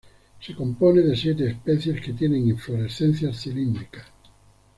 Se compone de siete especies que tienen inflorescencias cilíndricas.